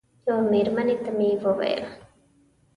یوه مېرمنې ته مې وویل.